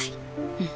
うん。